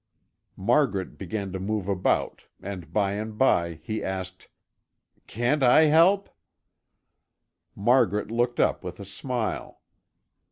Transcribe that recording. Margaret began to move about and by and by he asked: "Can't I help?" Margaret looked up with a smile.